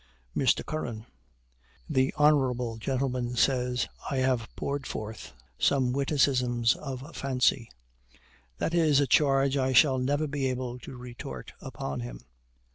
Mr. Curran. "The honorable gentleman says I have poured forth some witticisms of fancy. That is a charge I shall never be able to retort upon him.